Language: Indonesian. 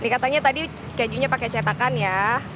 katanya tadi kejunya pakai cetakan ya